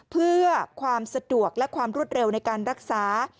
เพื่อความสะดวกและความรวดเร็วในการรักษา